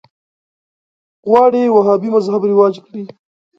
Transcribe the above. غواړي وهابي مذهب رواج کړي